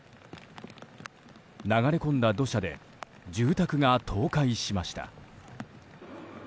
流れ込んだ土砂で住宅が倒壊しました。